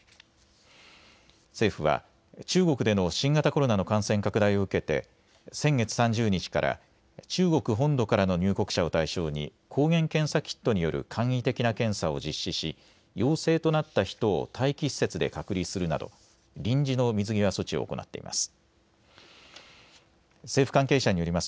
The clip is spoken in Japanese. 政府は中国での新型コロナの感染拡大を受けて先月３０日から中国本土からの入国者を対象に抗原検査キットによる簡易的な検査を実施し陽性となった人を待機施設で隔離するなど臨時の水際措置を行っています。